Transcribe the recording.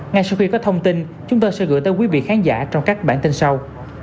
ngay sau khi có thông tin chúng tôi sẽ gửi tới quý vị khán giả trong các bản tin sau